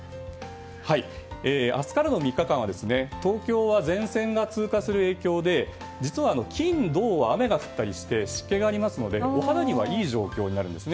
明日からの３日間は東京は前線が通過する影響で実は金、土は雨が降ったりして湿気がありますのでお肌にはいい状況になります。